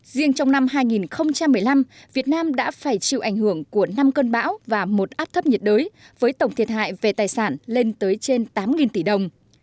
riêng trong năm hai nghìn một mươi năm việt nam đã phải chịu ảnh hưởng của năm cơn bão và một áp thấp nhiệt đới với tổng thiệt hại về tài sản lên tới trên tám tỷ đồng